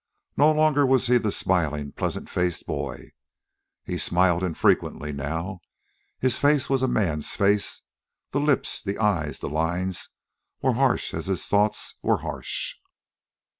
No longer was he the smiling, pleasant faced boy. He smiled infrequently now. His face was a man's face. The lips, the eyes, the lines were harsh as his thoughts were harsh.